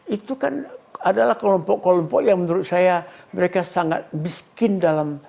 itu kan adalah kelompok kelompok yang menurut saya mereka sangat miskin dalam